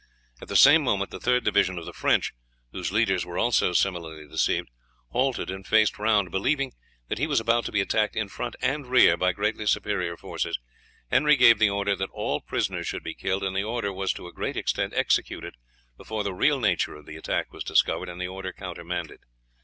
At the same moment the third division of the French, whose leaders were also similarly deceived, halted and faced round. Believing that he was about to be attacked in front and rear by greatly superior forces, Henry gave the order that all prisoners should be killed, and the order was to a great extent executed before the real nature of the attack was discovered and the order countermanded.